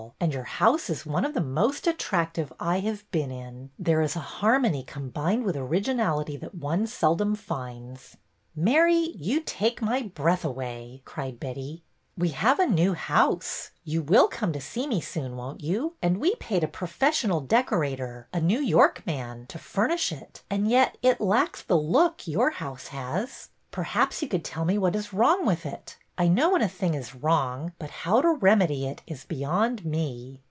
And your house is one of the most attractive I have been in. There is a har mony combined with originality that one seldom finds." Mary, you take my breath away," cried Betty. ''We have a new house — you will come to see me soon, won't you ?— and we paid a professional decorator, a New York man, to furnish it, and yet it lacks the ' look ' your house has. Perhaps you could tell me what is wrong with it. I know when a thing is wrong, but how to remedy it is beyond me."